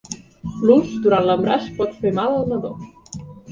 L'ús durant l'embaràs pot fer mal al nadó.